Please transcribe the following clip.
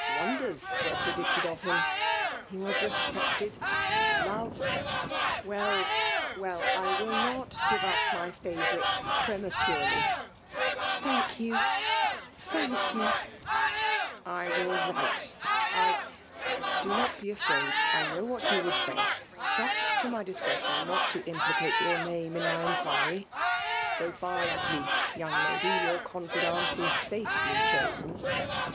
Wonders were predicted of him. He was respected,^— loved«— Well, well !— I will not give up my favourite prematurely " t ^ Thank you — ^thank you '—— i 246 FSMMA DOmHATiOK. 1 will write, — I, — Do not be afraid! I know wliat yoo would say. Trust to mj diai» ^retkm not to implicate your name in my inquiry. So far, at least, young lady, your confidant is safely chosen.